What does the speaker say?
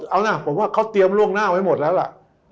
เอานะผมว่าเขาเตรียมล่วงหน้าไว้หมดแล้วล่ะ